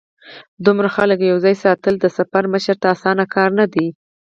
د دومره خلکو یو ځای ساتل د سفر مشر ته اسانه کار نه دی.